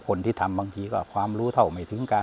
คนที่ทำบางทีก็ความรู้เท่าไม่ถึงกัน